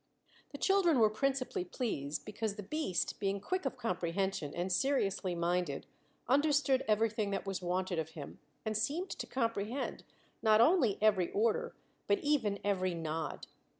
The children were principally pleased because the beast, being quick of comprehension and seriously minded, understood everything that was wanted of him and seemed to comprehend, not only every order, but even every nod.